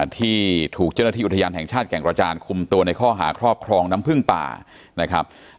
ที่ถูกเจ้าหน้าที่อุทยานแห่งชาติแก่งกระจานคุมตัวในข้อหาครอบครองน้ำพึ่งป่านะครับ